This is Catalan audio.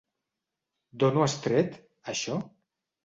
D'on ho has tret, això?